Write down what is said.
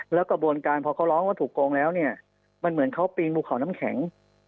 แล้วกระบวนการพอเขาร้องว่าถูกโกงแล้วเนี่ยมันเหมือนเขาปีนภูเขาน้ำแข็ง